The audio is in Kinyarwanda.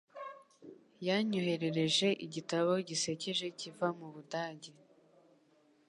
Yanyoherereje igitabo gisekeje kiva mu Budage.